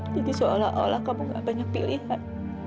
jadi seolah olah kamu gak banyak pilihan